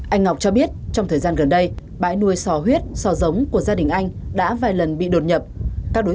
anh ngọc cho biết trong thời gian gần đây đối tượng đã trộm sò huyết trộm cắp tài sản trong dung tâm của bà con